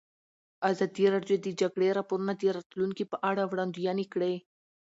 ازادي راډیو د د جګړې راپورونه د راتلونکې په اړه وړاندوینې کړې.